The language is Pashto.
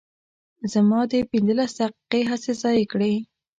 زما دې پنځلس دقیقې هسې ضایع کړې.